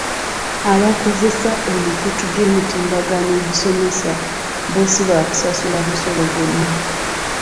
Abakozesa emikutu gy’emitimbagano egisomesa, bbo si baakusasula musolo guno.